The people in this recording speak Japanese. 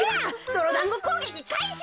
どろだんごこうげきかいし。